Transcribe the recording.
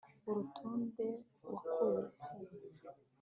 uru rutonde wakuye he